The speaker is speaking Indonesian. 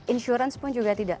insurance pun juga tidak